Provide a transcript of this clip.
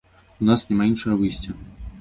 У нас няма іншага выйсця.